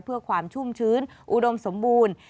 เพื่อความชุ่มชื้นอุดมสมบูรณ์